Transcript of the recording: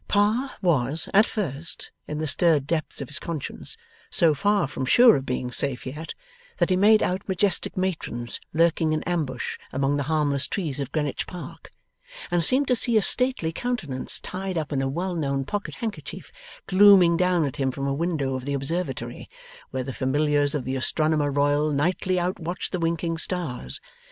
Pa was, at first, in the stirred depths of his conscience, so far from sure of being safe yet, that he made out majestic matrons lurking in ambush among the harmless trees of Greenwich Park, and seemed to see a stately countenance tied up in a well known pocket handkerchief glooming down at him from a window of the Observatory, where the Familiars of the Astronomer Royal nightly outwatch the winking stars.